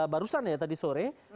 barusan ya tadi sore